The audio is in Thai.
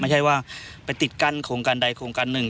ไม่ใช่ว่าไปติดกั้นโครงการใดโครงการหนึ่ง